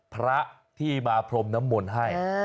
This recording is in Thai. พระที่มาพรมน้ำมนต์ให้